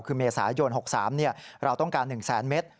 คือเมษายน๖๓เราต้องการ๑แสนเมตร